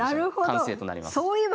完成となります。